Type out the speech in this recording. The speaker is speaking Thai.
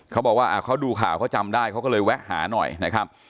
เขาบอกว่าเขาดูข่าวเขาจำได้เขาก็เลยแวะหาหน่อยนะครับ